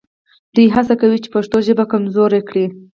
دوی هڅه کوي چې پښتو ژبه کمزورې کړي